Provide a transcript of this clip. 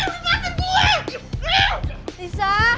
gue mau ke bawah